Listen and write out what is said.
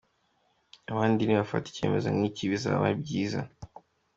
N'abandi nibafata icyemezo nk'iki bizaba ari byiza.